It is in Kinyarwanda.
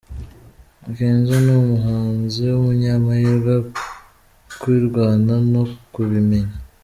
Kenzo ni umuhanzi w’umunyamahirwe ukirwana no kwimenya”.